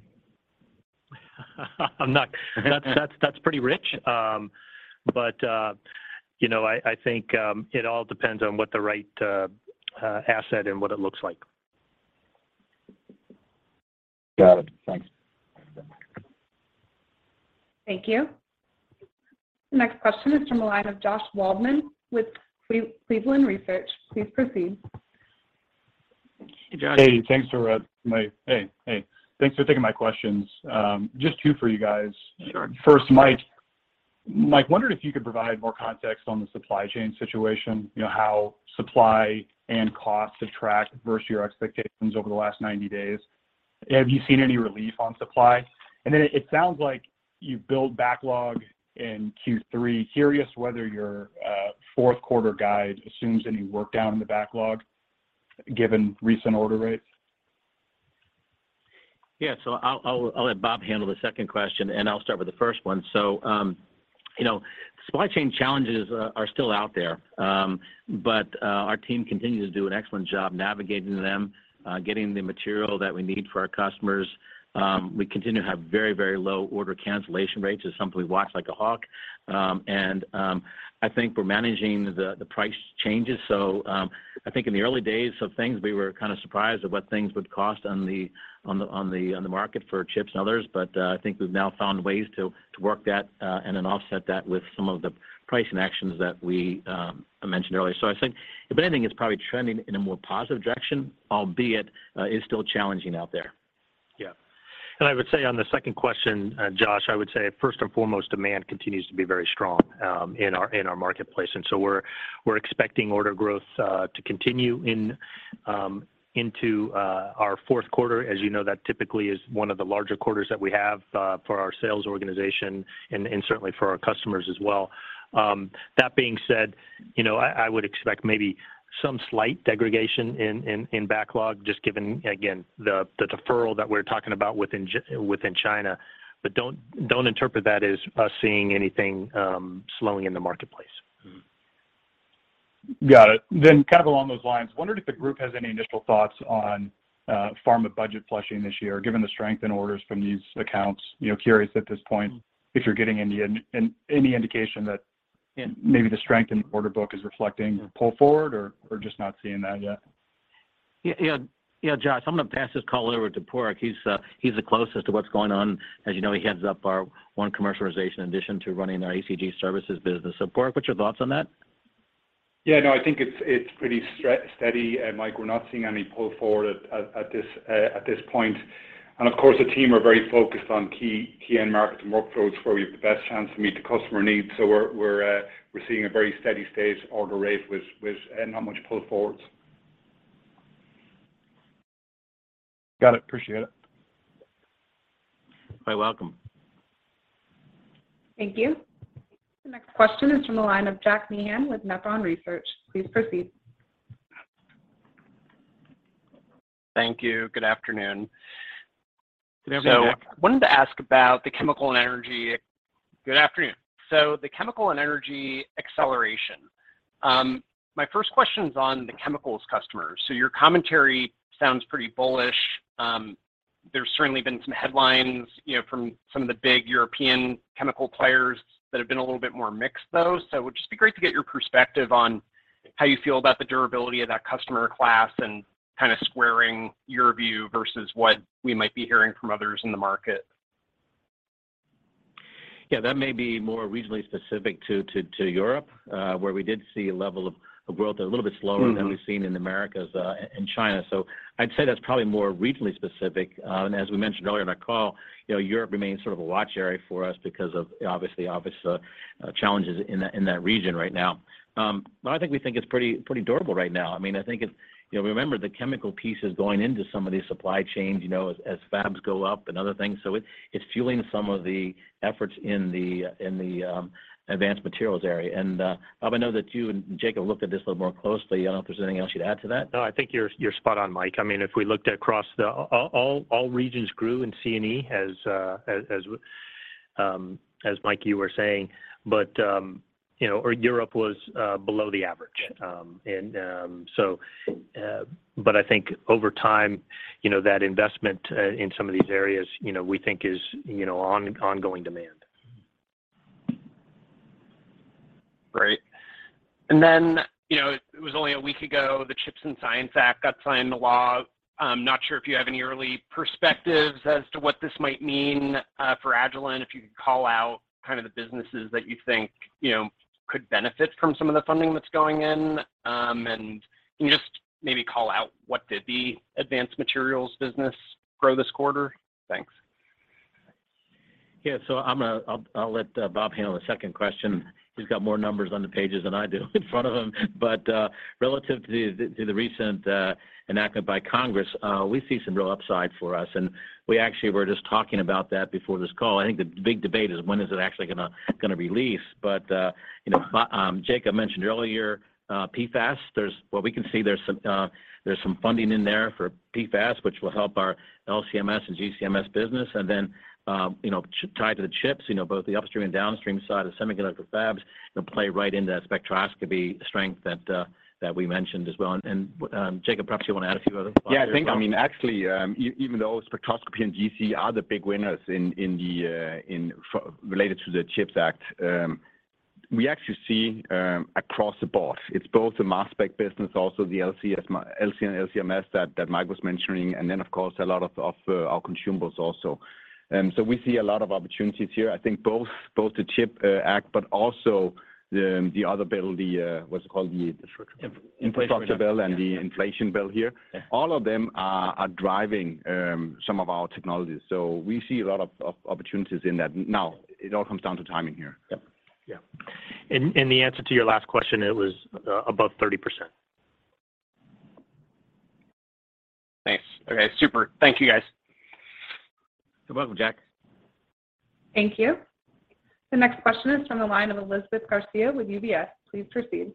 I'm not. That's pretty rich. I think it all depends on what the right asset and what it looks like. Got it. Thanks. Thank you. The next question is from the line of Josh Waldman with Cleveland Research. Please proceed. Hey, Josh. Hey. Thanks for taking my questions. Just 2 for you guys. First, Mike, wondered if you could provide more context on the supply chain situation, how supply and costs have tracked versus your expectations over the last 90 days. Have you seen any relief on supply? It sounds like you built backlog in Q3. Curious whether your fourth-quarter guide assumes any workdown in the backlog given recent order rates. Yeah. I'll let Bob handle the second question, and I'll start with the first one. Supply chain challenges are still out there, but our team continues to do an excellent job navigating them, getting the material that we need for our customers. We continue to have very, very low order cancellation rates. It's something we watch like a hawk. I think we're managing the price changes. I think in the early days of things, we were kind of surprised at what things would cost on the market for chips and others. I think we've now found ways to work that and then offset that with some of the pricing actions that we mentioned earlier. I think, if anything, it's probably trending in a more positive direction, albeit it is still challenging out there. Yeah. I would say on the second question, Josh, I would say first and foremost, demand continues to be very strong in our marketplace. We're expecting order growth to continue into our fourth quarter. As you know, that typically is one of the larger quarters that we have for our sales organization and certainly for our customers as well. That being said, I would expect maybe some slight degradation in backlog just given, again, the deferral that we're talking about within China. Don't interpret that as us seeing anything slowing in the marketplace. Got it. Kind of along those lines, wondered if the group has any initial thoughts on pharma budget flushing this year given the strength in orders from these accounts. Curious at this point if you're getting any indication that maybe the strength in the order book is reflecting pull forward or just not seeing that yet. Yeah. Yeah, Josh. I'm going to pass this call over to Padraig McDonnell. He's the closest to what's going on. As you know, he heads up our One Agilent commercialization in addition to running our ACG services business. Padraig McDonnell, what's your thoughts on that? Yeah. No, I think it's pretty steady. Mike, we're not seeing any pull forward at this point. Of course, the team are very focused on key end markets and workflows where we have the best chance to meet the customer needs. We're seeing a very steady-stage order rate with not much pull forwards. Got it. Appreciate it. You're very welcome. Thank you. The next question is from the line of Jack Meehan with Nephron Research. Please proceed. Thank you. Good afternoon. Good afternoon, Jack. I wanted to ask about the chemical and energy. Good afternoon. The chemical and energy acceleration. My first question is on the chemicals customers. Your commentary sounds pretty bullish. There's certainly been some headlines from some of the big European chemical players that have been a little bit more mixed, though. It would just be great to get your perspective on how you feel about the durability of that customer class and kind of squaring your view versus what we might be hearing from others in the market. Yeah. That may be more regionally specific to Europe, where we did see a level of growth that's a little bit slower than we've seen in the Americas and China. I'd say that's probably more regionally specific. As we mentioned earlier on our call, Europe remains sort of a watch area for us because of, obviously, obvious challenges in that region right now. I think we think it's pretty durable right now. I mean, I think if we remember the chemical pieces going into some of these supply chains as fabs go up and other things, so it's fueling some of the efforts in the advanced materials area. Bob, I know that you and Jacob looked at this a little more closely. I don't know if there's anything else you'd add to that. No, I think you're spot on, Mike. I mean, if we looked across all regions grew in C&E, as Mike, you were saying, but Europe was below the average. I think over time, that investment in some of these areas, we think, is ongoing demand. Great. Then it was only a week ago, the CHIPS and Science Act got signed into law. Not sure if you have any early perspectives as to what this might mean for Agilent, if you could call out kind of the businesses that you think could benefit from some of the funding that's going in. Can you just maybe call out what did the advanced materials business grow this quarter? Thanks. Yeah. I'll let Bob handle the second question. He's got more numbers on the pages than I do in front of him. Relative to the recent enactment by Congress, we see some real upside for us. We actually were just talking about that before this call. I think the big debate is when is it actually going to release? Jacob mentioned earlier PFAS. Well, we can see there's some funding in there for PFAS, which will help our LCMS and GCMS business. Then tied to the chips, both the upstream and downstream side of semiconductor fabs play right into that spectroscopy strength that we mentioned as well. Jacob, perhaps you want to add a few other thoughts? Yeah. I think, I mean, actually, even though spectroscopy and GC are the big winners related to the CHIPS Act, we actually see across the board. It's both the mass spec business, also the LC and LCMS that Mike was mentioning, and then, of course, a lot of our consumables also. We see a lot of opportunities here. I think both the CHIPS Act, but also the other bill, what's it called? The. Inflation bill. Inflation bill and the inflation bill here. All of them are driving some of our technologies. We see a lot of opportunities in that. Now, it all comes down to timing here. Yeah, the answer to your last question, it was above 30%. Nice. Okay. Super. Thank you, guys. You're welcome, Jack. Thank you. The next question is from the line of Elizabeth Garcia with UBS. Please proceed.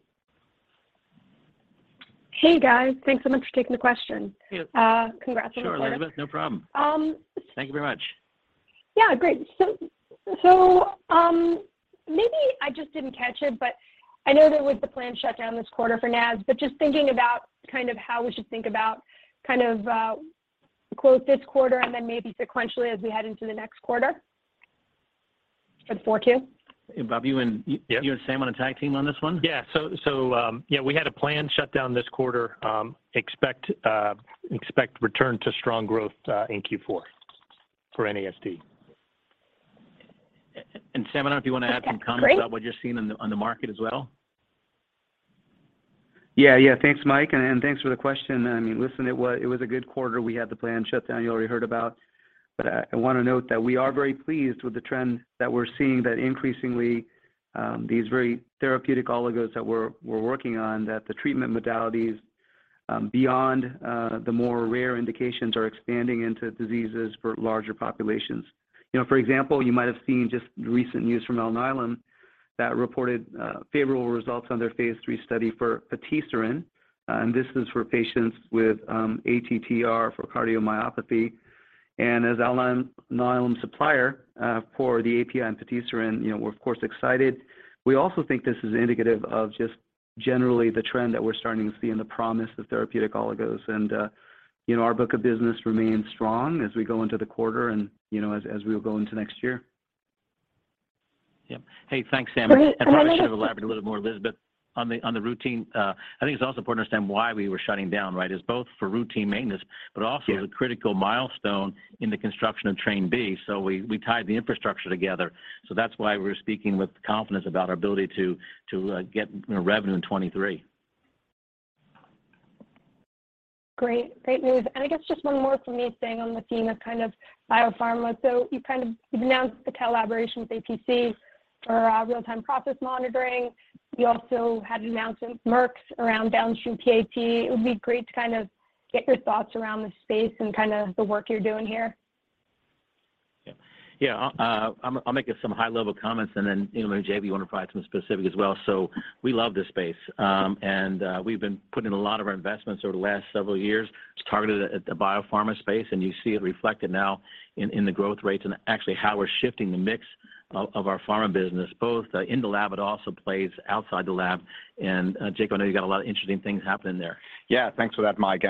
Hey, guys. Thanks so much for taking the question. Congrats on the plan. Sure, Elizabeth. No problem. Thank you very much. Yeah. Great. Maybe I just didn't catch it, but I know there was the planned shutdown this quarter for NASD, but just thinking about kind of how we should think about kind of, quote, "this quarter," and then maybe sequentially as we head into the next quarter for the 4Q? Bob, you and Sam on the tech team on this one? Yeah, we had a planned shutdown this quarter. Expect return to strong growth in Q4 for NASD. Sam, I don't know if you want to add some comments about what you're seeing on the market as well. Yeah. Yeah. Thanks, Mike. Thanks for the question. I mean, listen, it was a good quarter. We had the planned shutdown you already heard about. I want to note that we are very pleased with the trend that we're seeing, that increasingly these very therapeutic oligos that we're working on, that the treatment modalities beyond the more rare indications are expanding into diseases for larger populations. For example, you might have seen just recent news from Alnylam that reported favorable results on their phase III study for patisiran. This is for patients with ATTR for cardiomyopathy. As Alnylam's supplier for the API and patisiran, we're, of course, excited. We also think this is indicative of just generally the trend that we're starting to see in the promise of therapeutic oligos. Our book of business remains strong as we go into the quarter and as we will go into next year. Yeah. Hey, thanks, Sam. Perhaps you should have elaborated a little bit more, Elizabeth, on the routine. I think it's also important to understand why we were shutting down, right, is both for routine maintenance, but also as a critical milestone in the construction of Train B. We tied the infrastructure together. That's why we were speaking with confidence about our ability to get revenue in 2023. Great. Great news. I guess just one more for me staying on the theme of kind of biopharma. You've announced the collaboration with APC for real-time process monitoring. You also had an announcement, Merck's, around downstream PAT. It would be great to kind of get your thoughts around this space and kind of the work you're doing here. Yeah. Yeah. I'll make some high-level comments, and then maybe JV, you want to provide some specifics as well. We love this space. We've been putting in a lot of our investments over the last several years targeted at the biopharma space. You see it reflected now in the growth rates and actually how we're shifting the mix of our pharma business, both in the lab but also plays outside the lab. Jacob, I know you got a lot of interesting things happening there. Yeah. Thanks for that, Mike. We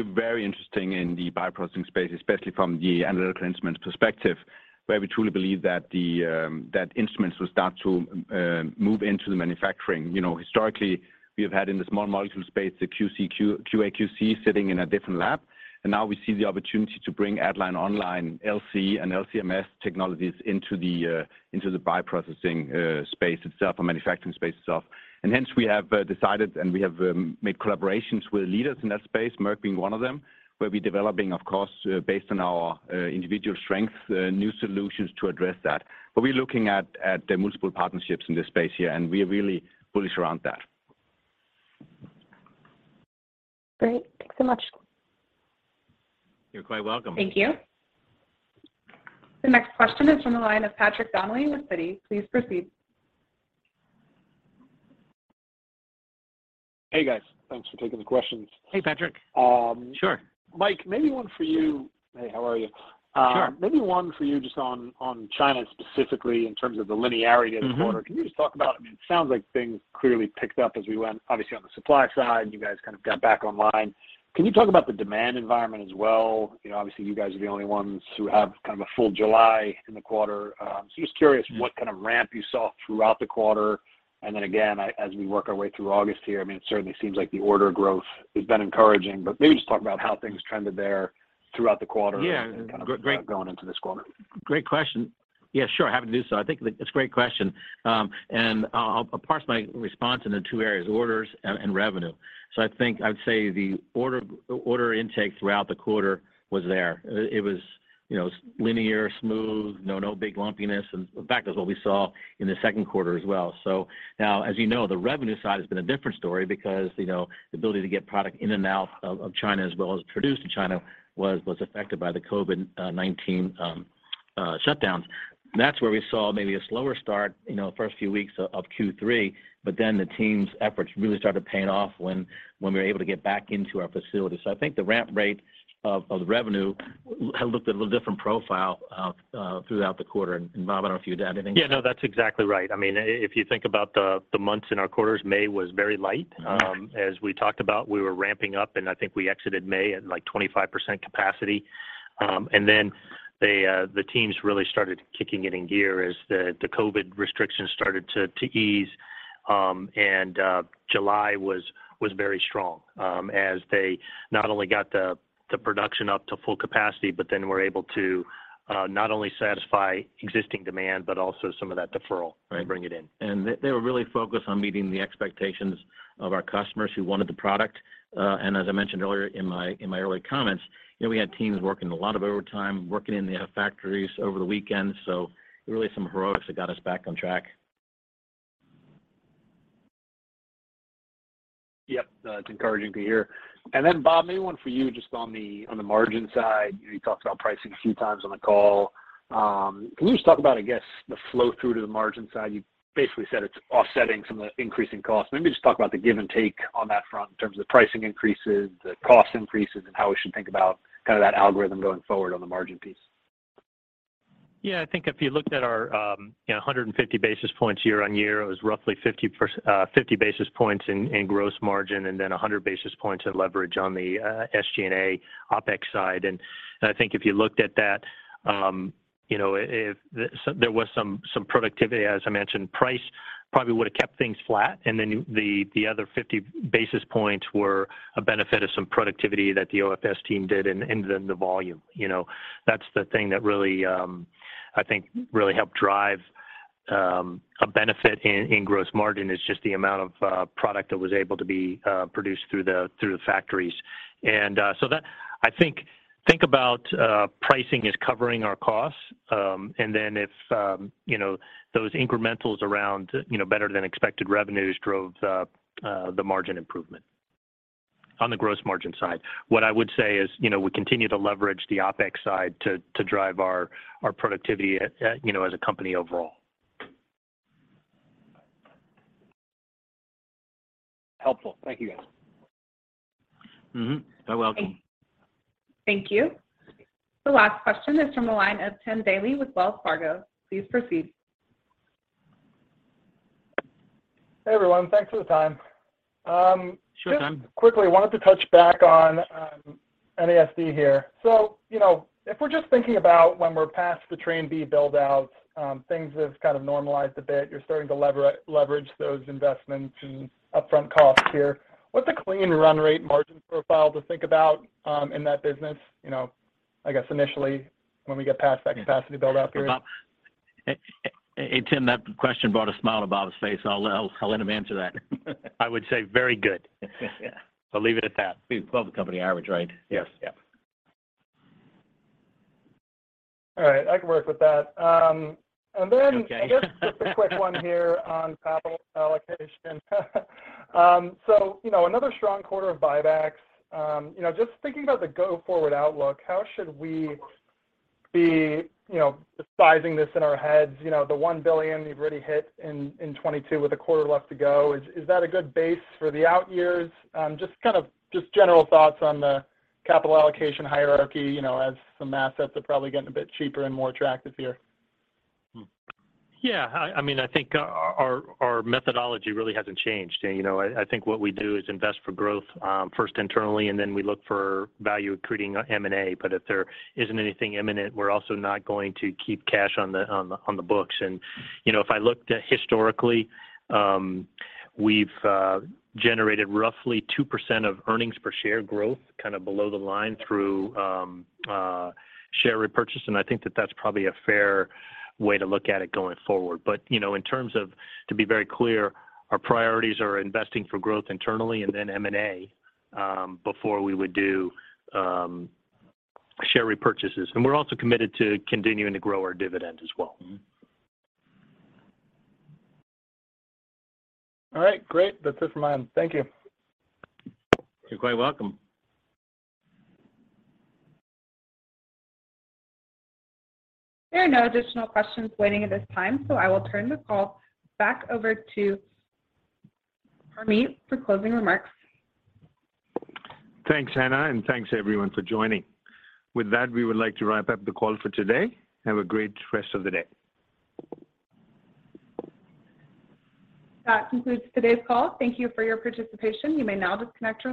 are very interested in the bioprocessing space, especially from the analytical instruments perspective, where we truly believe that instruments will start to move into the manufacturing. Historically, we have had in the small molecule space the QA/QC sitting in a different lab. Now we see the opportunity to bring at-line/online LC and LCMS technologies into the bioprocessing space itself or manufacturing space itself. Hence, we have decided and we have made collaborations with leaders in that space, Merck being one of them, where we're developing, of course, based on our individual strengths, new solutions to address that. We're looking at multiple partnerships in this space here, and we are really bullish around that. Great. Thanks so much. You're quite welcome. Thank you. The next question is from the line of Patrick Donnelly with Citi. Please proceed. Hey, guys. Thanks for taking the questions. Hey, Patrick. Sure. Mike, maybe one for you. Hey, how are you? Sure. Maybe one for you just on China specifically in terms of the linearity of the quarter. Can you just talk about, I mean, it sounds like things clearly picked up as we went, obviously, on the supply side. You guys kind of got back online. Can you talk about the demand environment as well? Obviously, you guys are the only ones who have kind of a full July in the quarter. So just curious what kind of ramp you saw throughout the quarter. Then again, as we work our way through August here, I mean, it certainly seems like the order growth has been encouraging. Maybe just talk about how things trended there throughout the quarter and kind of going into this quarter. Yeah. Great. Great question. Yeah, sure. Happy to do so. I think it's a great question. I'll parse my response into 2 areas, orders and revenue. I think I would say the order intake throughout the quarter was there. It was linear, smooth, no big lumpiness. In fact, that's what we saw in the second quarter as well. Now, as you know, the revenue side has been a different story because the ability to get product in and out of China as well as produced in China was affected by the COVID-19 shutdowns. That's where we saw maybe a slower start, the first few weeks of Q3. Then the team's efforts really started paying off when we were able to get back into our facility. I think the ramp rate of the revenue looked a little different profile throughout the quarter. Bob, I don't know if you had anything to add? Yeah. No, that's exactly right. I mean, if you think about the months in our quarters, May was very light. As we talked about, we were ramping up. I think we exited May at like 25% capacity. The teams really started kicking it in gear as the COVID restrictions started to ease. July was very strong as they not only got the production up to full capacity, but then were able to not only satisfy existing demand, but also some of that deferral and bring it in. They were really focused on meeting the expectations of our customers who wanted the product. As I mentioned earlier in my early comments, we had teams working a lot of overtime, working in the factories over the weekends. It was really some heroics that got us back on track. Yep. It's encouraging to hear. Bob, maybe one for you just on the margin side. You talked about pricing a few times on the call. Can you just talk about, I guess, the flow-through to the margin side? You basically said it's offsetting some of the increasing costs. Maybe just talk about the give and take on that front in terms of the pricing increases, the cost increases, and how we should think about kind of that algorithm going forward on the margin piece? Yeah. I think if you looked at our 150 basis points year-on-year, it was roughly 50 basis points in gross margin and then 100 basis points in leverage on the SG&A OPEX side. I think if you looked at that, if there was some productivity, as I mentioned, price probably would have kept things flat. Then the other 50 basis points were a benefit of some productivity that the OFS team did and then the volume. That's the thing that, I think, really helped drive a benefit in gross margin is just the amount of product that was able to be produced through the factories. I think about pricing as covering our costs. Then if those incrementals around better-than-expected revenues drove the margin improvement on the gross margin side. What I would say is we continue to leverage the OPEX side to drive our productivity as a company overall. Helpful. Thank you, guys. You're welcome. Thank you. The last question is from the line of Timothy Daley with Wells Fargo. Please proceed. Hey, everyone. Thanks for the time. Sure, Tim. Just quickly, I wanted to touch back on NASD here. If we're just thinking about when we're past the Train B buildouts, things have kind of normalized a bit. You're starting to leverage those investments and upfront costs here. What's a clean run-rate margin profile to think about in that business, I guess, initially when we get past that capacity buildout period? Hey, Tim, that question brought a smile to Bob's face. I'll let him answer that. I would say very good. Leave it at that. Well, the company average, right? Yes. Yeah. All right. I can work with that. Then I guess just a quick one here on capital allocation. Another strong quarter of buybacks. Just thinking about the go-forward outlook, how should we be sizing this in our heads? The $1 billion you've already hit in 2022 with a quarter left to go. Is that a good base for the out years? Just kind of general thoughts on the capital allocation hierarchy as some assets are probably getting a bit cheaper and more attractive here. Yeah. I mean, I think our methodology really hasn't changed. I think what we do is invest for growth first internally, and then we look for value accruing M&A. If there isn't anything imminent, we're also not going to keep cash on the books. If I looked at historically, we've generated roughly 2% of earnings per share growth kind of below the line through share repurchase. I think that that's probably a fair way to look at it going forward. In terms of to be very clear, our priorities are investing for growth internally and then M&A before we would do share repurchases. We're also committed to continuing to grow our dividend as well. All right. Great. That's it from my end. Thank you. You're quite welcome. There are no additional questions waiting at this time. I will turn the call back over to Parmeet for closing remarks. Thanks, Hannah. Thanks, everyone, for joining. With that, we would like to wrap up the call for today. Have a great rest of the day. That concludes today's call. Thank you for your participation. You may now disconnect.